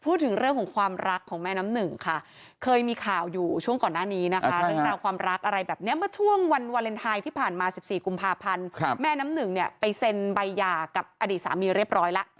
พูดถึงเรื่องของความรักของแม่น้ำหนึ่งค่ะเคยมีข่าวอยู่ช่วงก่อนหน้านี้นะคะเรื่องราวความรักอะไรแบบนี้เมื่อช่วงวันวาเลนไทยที่ผ่านมา๑๔กุมภาพันธ์แม่น้ำหนึ่งเนี่ยไปเซ็นใบหย่ากับอดีตสามีเรียบร้อยแล้ว